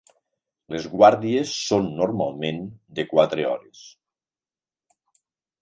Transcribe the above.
Les guàrdies són normalment de quatre hores.